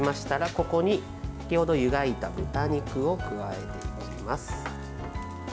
ここに先程、湯がいた豚肉を加えていきます。